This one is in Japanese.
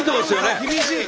厳しい！